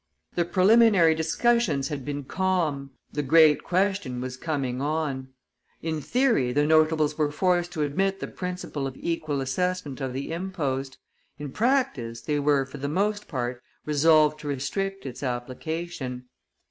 The preliminary discussions had been calm, the great question was coming on; in theory, the notables were forced to admit the principle of equal assessment of the impost; in practice, they were, for the most part, resolved to restrict its application.